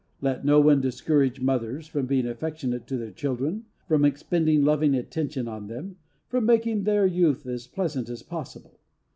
Let no one discourage mothers from being affectionate to their children, from expending loving attentions on them, from making their youth as pleasant as possible.